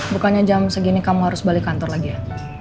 bukannya jam segini kamu harus balik kantor lagi ya